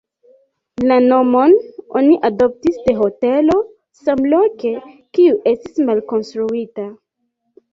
La nomon oni adoptis de hotelo samloke, kiu estis malkonstruita.